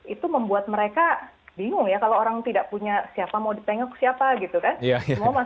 itu membuat mereka bingung ya kalau orang tidak punya siapa mau dipengok siapa gitu kan